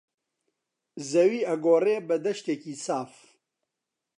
زەوی ئەگۆڕێ بە دەشتێکی ساف